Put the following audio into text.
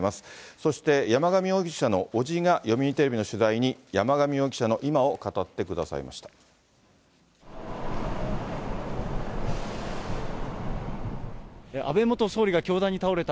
そして山上容疑者の伯父が、読売テレビの取材に、山上容疑者の今を語ってくださいました。